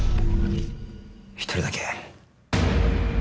１人だけ。